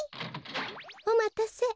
おまたせ。